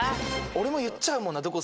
俺も言っちゃうもんな。